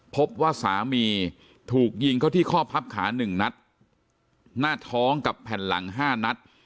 พบว่าสามีถูกยิงเข้าที่ข้อพับขา๑นัดหน้าท้องกับแผ่นหลัง๕นัด